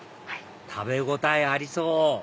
食べ応えありそう！